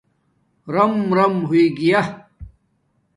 رَرَم رَرَم ہوئئ گیا